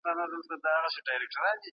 سفیران چیرته د وینا ازادي تمرینوي؟